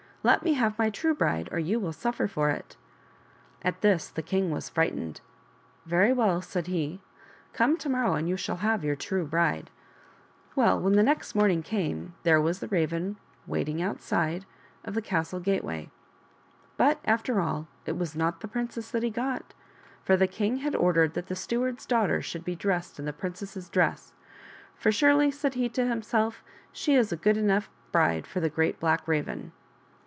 Let me have my true bride or you will suffer for it." At this the king was frightened. " Very well," said he, " come to mor. row and you shall have your true bride." Well, when the next morning came, there was the Raven waiting outside ttiec^ tuul) tin Sent Blacbmmiem 68 PRINCESS GOLDEN HAIR AND THE GREAT BLACK RAVEN. of the castle gateway. But, after all, it was not the princess that he got, for the king had ordered that the steward's daughter should be dressed in the princess's dress, " for surely," said he to himself, " she is a good enough bride for a Great Black Raven."